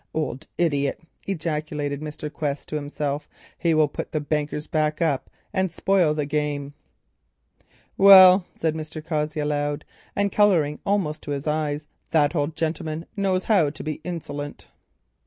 "Old idiot!" ejaculated Mr. Quest to himself, "he will put Cossey's back up and spoil the game." "Well," said Edward aloud and colouring almost to his eyes. "That old gentleman knows how to be insolent."